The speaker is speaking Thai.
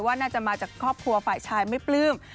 ว่าน่าจะมาจากครอบครัวฝ่ายชายไม่ปลื้ม